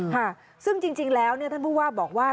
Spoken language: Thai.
ค่ะซึ่งจริงแล้วท่านผู้ว่าบอกว่า